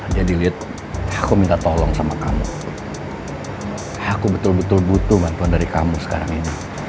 jadi liat aku minta tolong sama kamu aku betul betul butuh bantuan dari kamu sekarang ini